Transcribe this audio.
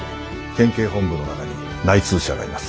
県警本部の中に内通者がいます。